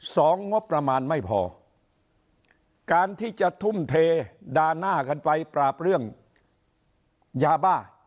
งบประมาณไม่พอการที่จะทุ่มเทด่าหน้ากันไปปราบเรื่องยาบ้า